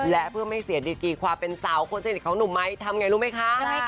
และเพื่อไม่เสียดีกีความเป็นสาวคนสนิทของหนุ่มไม้ทำไงรู้ไหมคะ